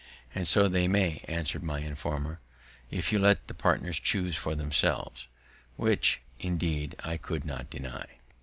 "And so they may," answer'd my informer, "if you let the parties chuse for themselves;" which, indeed, I could not deny.